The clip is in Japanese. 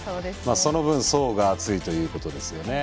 その分、層が厚いということですよね。